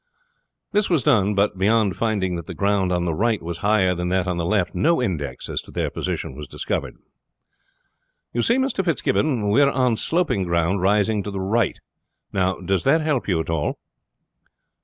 This was done, but beyond finding that the ground on the right was higher than that on the left no index as to their position was discovered. "You see, Mr. Fitzgibbon, we are on sloping ground rising to the right. Now, does that help you at all?"